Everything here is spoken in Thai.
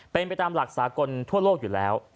เป็นไปตามหลักสากลทั่วโลกอยู่แล้ว